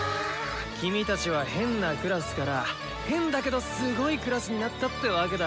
君たちは「変なクラス」から「変だけどすごいクラス」になったってわけだ。